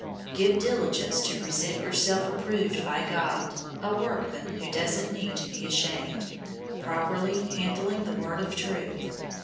002:015 Give diligence to present yourself approved by God, a workman who doesn't need to be ashamed, properly handling the Word of Truth.